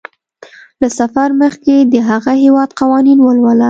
له سفر مخکې د هغه هیواد قوانین ولوله.